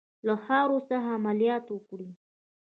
له خاورې څخه عملیات وکړي.